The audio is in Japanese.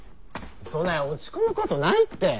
そない落ち込むことないって。